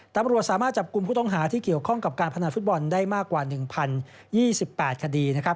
ตำรวจสามารถจับกลุ่มผู้ต้องหาที่เกี่ยวข้องกับการพนันฟุตบอลได้มากกว่า๑๐๒๘คดีนะครับ